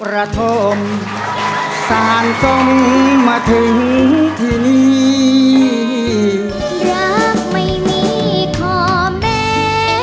รักไม่มีขอแม่